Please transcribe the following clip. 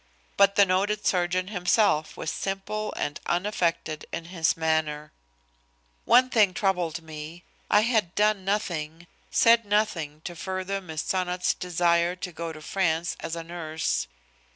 But the noted surgeon himself was simple and unaffected in his manner. One thing troubled me. I had done nothing, said nothing to further Miss Sonnot's desire to go to France as a nurse.